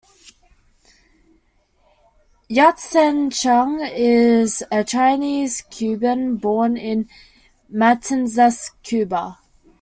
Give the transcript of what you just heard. Yat-Sen Chang is a Chinese Cuban born in Matanzas, Cuba.